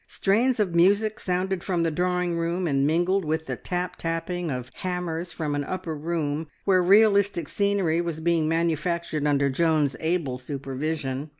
Strains of music sounded from the drawing room and mingled with the tap tapping of hammers from an upper room where realistic scenery was being manufactured under Joan's able supervision.